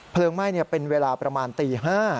ไหม้เป็นเวลาประมาณตี๕